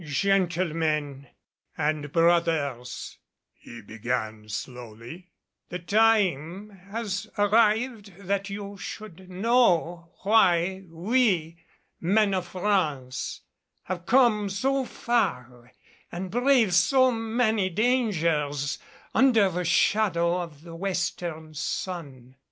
"Gentlemen and brothers," he began slowly, "the time has arrived that you should know why we, men of France, have come so far and braved so many dangers under the shadow of the Western sun.